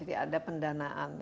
jadi ada pendanaan